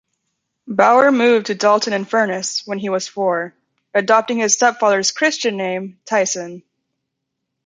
Bower moved to Dalton-in-Furness when he was four, adopting his stepfather's Christian name Tyson.